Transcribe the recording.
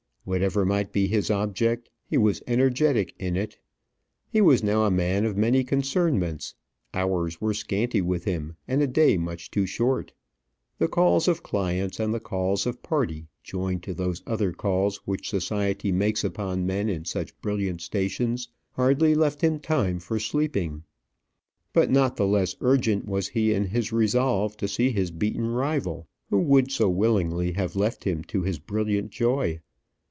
Whatever might be his object, he was energetic in it. He was now a man of many concernments; hours were scanty with him, and a day much too short. The calls of clients, and the calls of party, joined to those other calls which society makes upon men in such brilliant stations, hardly left him time for sleeping; but not the less urgent was he in his resolve to see his beaten rival who would so willingly have left him to his brilliant joy.